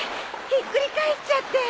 ひっくり返っちゃって。